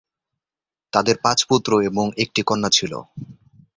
তাদের পাঁচ পুত্র এবং একটি কন্যা ছিল।